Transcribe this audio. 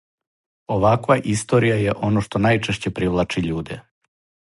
Оваква историја је оно што најчешће привлачи људе.